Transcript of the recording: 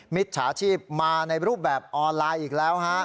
มิจฉาชีพมาในรูปแบบออนไลน์อีกแล้วฮะ